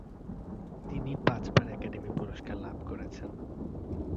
তিনি পাঁচবার একাডেমি পুরস্কার লাভ করেছেন।